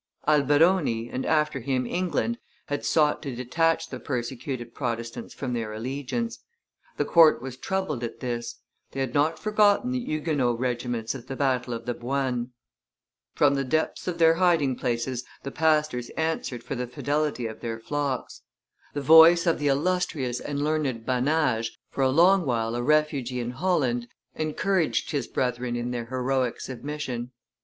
Alberoni, and after him England, had sought to detach the persecuted Protestants from their allegiance; the court was troubled at this; they had not forgotten the Huguenot regiments at the battle of the Boyne. From the depths of their hiding places the pastors answered for the fidelity of their flocks; the voice of the illustrious and learned Basnage, for a long while a refugee in Holland, encouraged his brethren in their heroic submission.